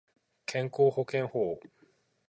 健康保険法